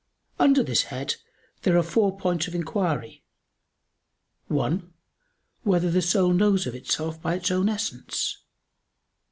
Under this head there are four points of inquiry: (1) Whether the soul knows itself by its own essence?